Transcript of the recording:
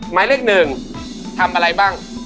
หมายเลขหนึ่งทำอะไรบ้าง